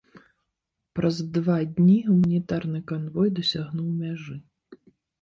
Праз два дні гуманітарны канвой дасягнуў мяжы.